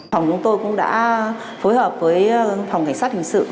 phòng chúng tôi cũng đã phối hợp với phòng cảnh sát hình sự